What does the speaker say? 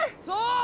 そう！